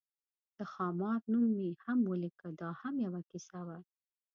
د خامار نوم مې هم ولیکه، دا هم یوه کیسه وه.